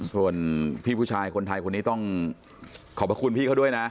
ส่วนพี่ผู้ชายคนไทยคนนี้ต้องขอบพระคุณพี่เขาด้วยนะ